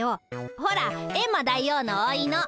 ほらエンマ大王のおいの。